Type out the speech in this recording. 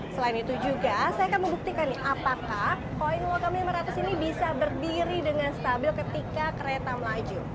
selain itu juga saya akan membuktikan apakah koin wakam lima ratus ini bisa berdiri dengan stabil ketika kereta melaju